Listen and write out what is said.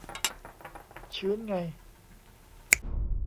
ชื้นไง